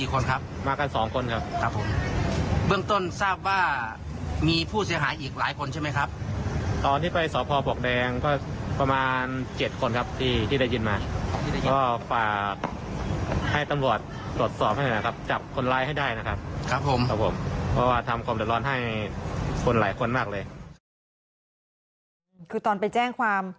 คือตอนไปแจ้งความ